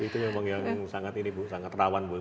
itu memang yang sangat ini bu sangat rawan bu